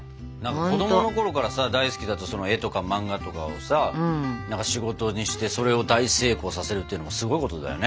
子供のころから大好きだった絵とか漫画とかをさ仕事にしてそれを大成功させるっていうのはすごいことだよね。